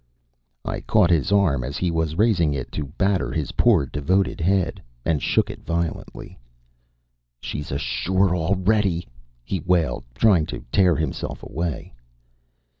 I caught his arm as he was raising it to batter his poor devoted head, and shook it violently. "She's ashore already," he wailed, trying to tear himself away.